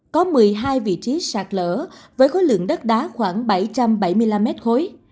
có một mươi hai vị trí sạt lở với khối lượng đất đá khoảng bảy trăm bảy mươi năm mét khối